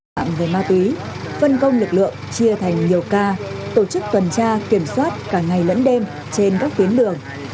vi phạm về ma túy phân công lực lượng chia thành nhiều ca tổ chức tuần tra kiểm soát cả ngày lẫn đêm trên các tiếng đường